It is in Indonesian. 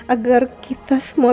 agar kita semua